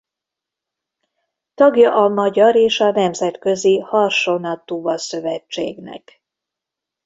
Tagja a Magyar és a Nemzetközi Harsona-Tuba Szövetségnek.